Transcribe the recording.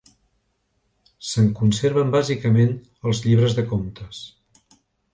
Se’n conserven bàsicament els llibres de comptes.